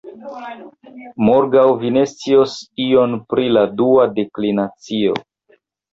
Morgaŭ vi ne scios ion pri la dua deklinacio.